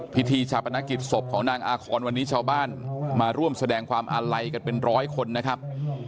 พิธีชาปนกิจศพของนางอาคอนวันนี้ชาวบ้านมาร่วมแสดงความอาลัยกันเป็นร้อยคนนะครับ